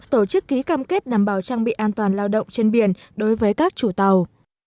tổ chức ký cam kết đảm bảo trang bị an toàn lao động trên biển đối với các chủ tàu